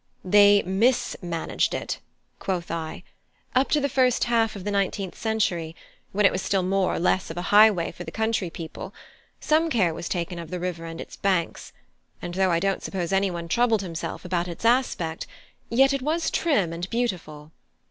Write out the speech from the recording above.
"They _mis_managed it," quoth I. "Up to the first half of the nineteenth century, when it was still more or less of a highway for the country people, some care was taken of the river and its banks; and though I don't suppose anyone troubled himself about its aspect, yet it was trim and beautiful.